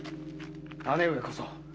姉上こそ。